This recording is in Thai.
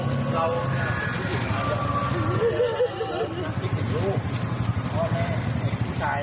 เราเป็นผู้หญิงแล้วเดี๋ยวเจอผู้หญิง